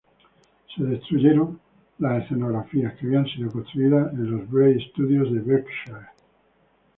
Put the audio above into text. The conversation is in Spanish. Se destruyeron las escenografías que habían sido construidas en los Bray Studios de Berkshire.